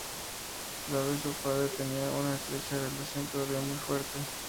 Dave y su padre tenían una estrecha relación todavía muy fuerte.